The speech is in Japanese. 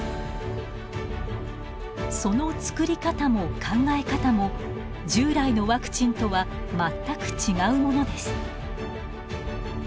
その作り方も考え方も従来のワクチンとは全く違うものです。